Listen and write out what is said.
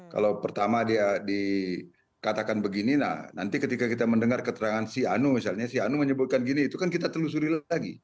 kalau pertama dia dikatakan begini nah nanti ketika kita mendengar keterangan si anu misalnya si anu menyebutkan gini itu kan kita telusuri lagi